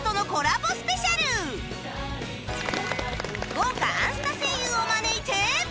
豪華『あんスタ』声優を招いて